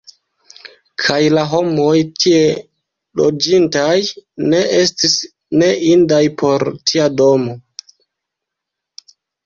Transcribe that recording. Kaj la homoj, tie loĝintaj, ne estis ne indaj por tia domo!